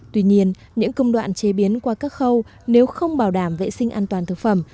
tuy nhiên những công đoạn chế biến qua các khâu nếu không bảo đảm vệ sinh an toàn thực phẩm